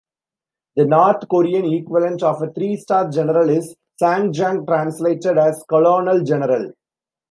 The North Korean equivalent of a three-star general is "sangjang", translated as "colonel general".